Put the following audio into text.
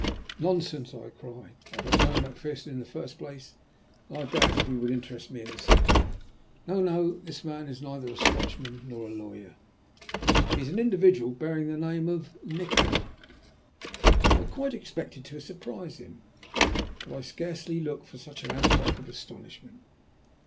"Nonsense," I cried. "I don't know Macpherson in the first place, and I doubt if he would interest me in the second. No! no! this man is neither a Scotchman nor a lawyer. He is an individual bearing the name of Nikola." I had quite expected to surprise him, but I scarcely looked for such an outbreak of astonishment.